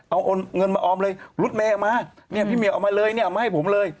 เอาเงินมาออมเลยรถเมย์เอามาเนี่ยพี่เมียเอามาเลยเนี่ยเอามาให้ผมเลย